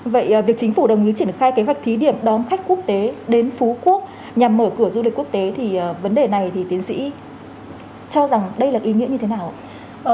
vậy việc chính phủ đồng ý triển khai kế hoạch thí điểm đón khách quốc tế đến phú quốc nhằm mở cửa du lịch quốc tế thì vấn đề này thì tiến sĩ cho rằng đây là ý nghĩa như thế nào ạ